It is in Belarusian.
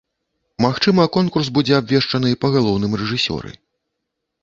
Магчыма, конкурс будзе абвешчаны па галоўным рэжысёры.